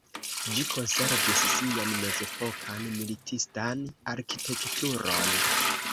Ĝi konservis sian mezepokan militistan arkitekturon.